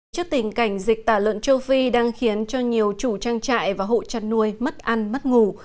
trước tình cảnh dịch tả lợn châu phi đang khiến cho nhiều chủ trang trại và hộ chăn nuôi mất ăn mất ngủ